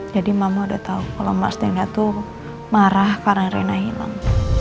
jadi mama udah tau kalo mas tenda tuh marah karena reina hilang